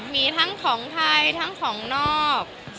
มีทั้งของไทยทั้งของนอก